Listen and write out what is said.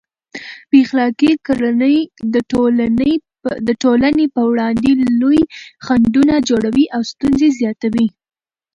بې اخلاقه کړنې د ټولنې پر وړاندې لوی خنډونه جوړوي او ستونزې زیاتوي.